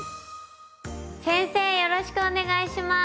よろしくお願いします。